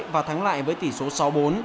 và thắng lại với tỷ số sáu bốn